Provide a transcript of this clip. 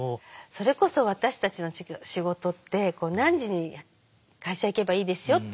それこそ私たちの仕事って何時に会社行けばいいですよってものではないので。